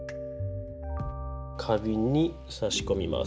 花瓶に挿し込みます。